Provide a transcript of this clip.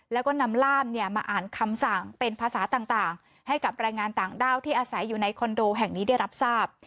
แล้วก็นำล่ามมาอ่านคำสั่งเป็นภาษาต่างให้กับแรงงานต่างด้าวที่อาศัยอยู่ในคอนโดแห่งนี้ได้รับทราบ